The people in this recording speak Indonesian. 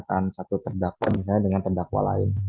pernyataan satu terdakwa misalnya dengan terdakwa lain